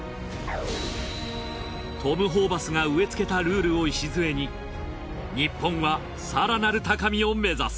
トム・ホーバスが植えつけたルールを礎に日本は更なる高みを目指す